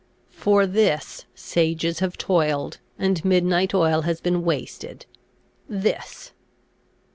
For this sages have toiled, and midnight oil has been wasted. This!"